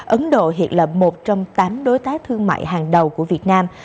ấn độ hiện là một trong tám đối tác thương mại hàng đầu của việt nam